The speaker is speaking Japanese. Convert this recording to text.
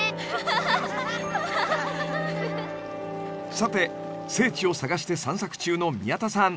さて聖地を探して散策中の宮田さん。